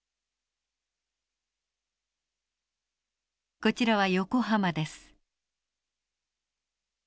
こちらは横浜です。